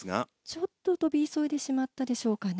ちょっと跳び急いでしまったでしょうか。